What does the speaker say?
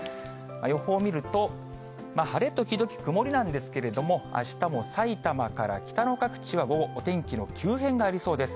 予報を見ると、晴れ時々曇りなんですけれども、あしたも埼玉から北の各地は午後、お天気の急変がありそうです。